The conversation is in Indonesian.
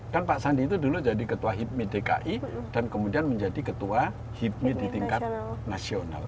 kan pak sandi itu dulu jadi ketua hipmi dki dan kemudian menjadi ketua hipmi di tingkat nasional